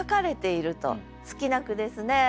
好きな句ですね。